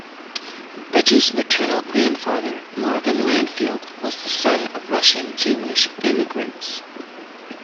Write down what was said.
Bridges' maternal grandfather, Marvin Landfield, was the son of Russian-Jewish immigrants.